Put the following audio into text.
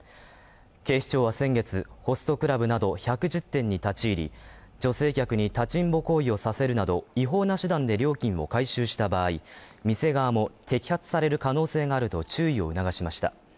警視庁は先月、ホストクラブなど１１０店に立ち入り、女性客に立ちんぼ行為をさせるなど、違法な手段で料金を回収した場合店側も摘発される可能性があると注意を促しました。